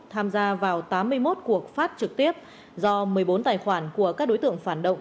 tham gia vào tám mươi một cuộc phát trực tiếp do một mươi bốn tài khoản của các đối tượng phản động